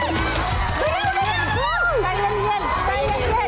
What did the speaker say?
สุดท้ายสุดท้าย